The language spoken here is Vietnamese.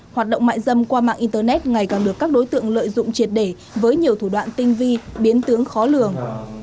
hoạt động mại dâm qua mạng internet ngày càng được các đối tượng lợi dụng triệt để với nhiều thủ đoạn tinh vi biến tướng khó lường